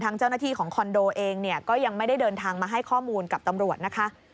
เจ้าหน้าที่ของคอนโดเองเนี่ยก็ยังไม่ได้เดินทางมาให้ข้อมูลกับตำรวจนะคะ